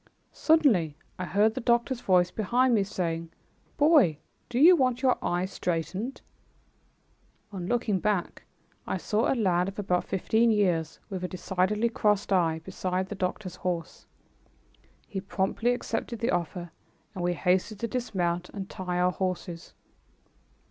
Suddenly I heard the doctor's voice behind me saying, "Boy, do you want your eye straightened?" On looking back I saw a lad of about fifteen years, with a decidedly crossed eye, beside the doctor's horse. He promptly accepted the offer, and we hastened to dismount and tie our horses.